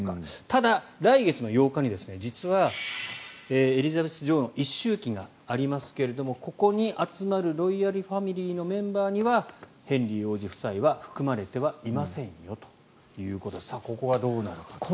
ただ、来月の８日に実はエリザベス女王の一周忌がありますがここに集まるロイヤルファミリーのメンバーにはヘンリー王子夫妻は含まれてはいませんよということでここがどうなるかです。